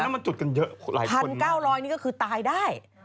๑๙๐๐บาทก็คือตายได้